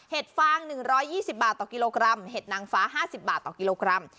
เห็ดฟางหนึ่งร้อยยี่สิบบาทต่อกิโลกรัมเห็ดนางฟ้าห้าสิบบาทต่อกิโลกรัม